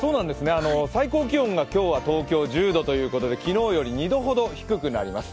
最高気温が今日は東京１０度ということで昨日より２度ほど低くなります。